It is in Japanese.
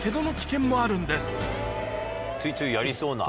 ついついやりそうな。